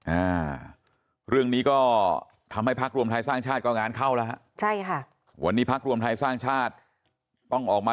อ่าเรื่องนี้ก็ทำให้พักรวมไทยสร้างชาติก็งานเข้าแล้วฮะใช่ค่ะวันนี้พักรวมไทยสร้างชาติต้องออกมา